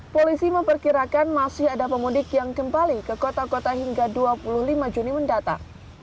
polisi memperkirakan masih ada pemudik yang kembali ke kota kota hingga dua puluh lima juni mendatang